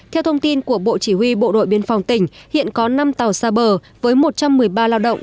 theo thông tin của bộ chỉ huy bộ đội biên phòng tỉnh hiện có năm tàu xa bờ với một trăm một mươi ba lao động